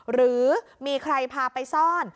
หรือมีใครพาไปซ่อน